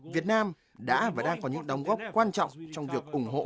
việt nam đã và đang có những đóng góp quan trọng trong việc ủng hộ hòa bình